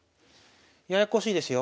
ややこしいですよ。